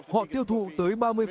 họ tiêu thụ tới ba mươi